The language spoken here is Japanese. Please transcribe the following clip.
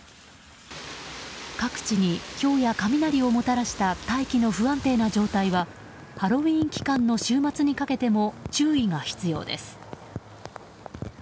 各地に、ひょうや雷をもたらした大気の不安定な状態はハロウィーン期間の週末にかけても注意が必要です。